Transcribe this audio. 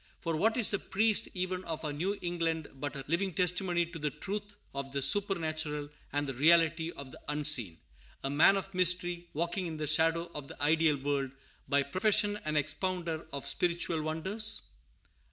For what is the priest even of our New England but a living testimony to the truth of the supernatural and the reality of the unseen, a man of mystery, walking in the shadow of the ideal world, by profession an expounder of spiritual wonders?